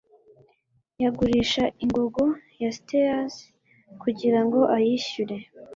Yagurisha ingogo ya steers kugirango ayishyure